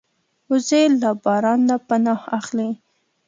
وزې له باران نه پناه اخلي